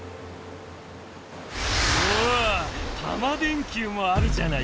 わあタマ電Ｑもあるじゃないか。